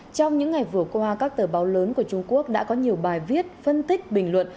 trong những ngày vừa qua các tờ báo lớn của trung quốc đã có nhiều bài viết phân tích bình luận